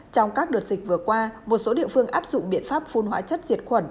trong các đợt dịch vừa qua một số địa phương áp dụng biện pháp phun hóa chất diệt khuẩn